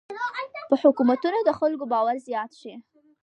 په حکومتونو د خلکو باور زیات شي.